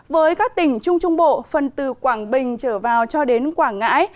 với các tỉnh trung trung bộ phần từ quảng bình trở vào cho đến quảng ngãi